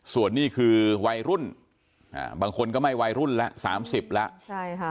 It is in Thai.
ส่วนนี้คือวัยรุ่นบางคนก็ไม่วัยรุ่นแล้ว๓๐แล้วใช่ค่ะ